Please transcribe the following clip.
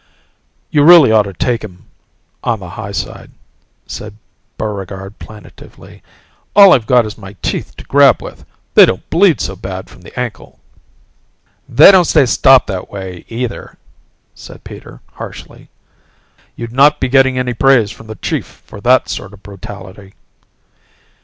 "You really ought to take 'em on the high side," said Buregarde, plaintively. "All I've got is my teeth to grab with. They don't bleed so bad from the ankle." "They don't stay stopped that way either," said Peter harshly. "You'd not be getting any praise from the Chief for that sort of brutality."